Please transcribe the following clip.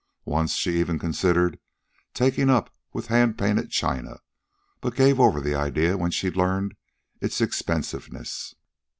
Once, she even considered taking up with hand painted china, but gave over the idea when she learned its expensiveness.